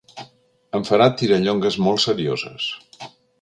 En farà tirallongues molt serioses.